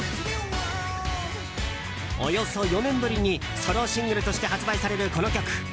およそ４年ぶりにソロシングルとして発売されるこの曲。